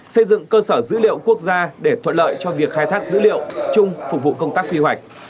xây dựng cơ sở dữ liệu quốc gia để thuận lợi cho việc khai thác dữ liệu chung phục vụ công tác quy hoạch